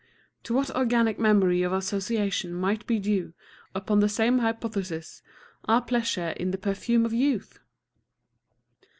To what organic memory of association might be due, upon the same hypothesis, our pleasure in the perfume of youth?